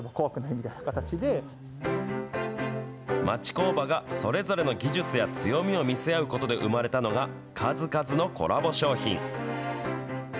町工場がそれぞれの技術や強みを見せ合うことで生まれたのが、数々のコラボ商品。